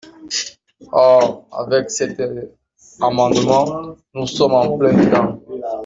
Or, avec cet amendement, nous sommes en plein dedans.